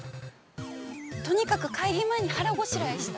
◆とにかく会議前に腹ごしらえした？